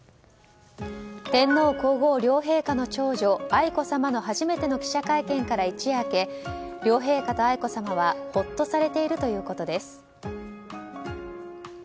天皇・皇后両陛下の長女・愛子さまの初めての記者会見から一夜明け両陛下と愛子さまはほっとされているということです。